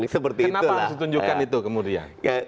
kenapa harus ditunjukkan itu kemudian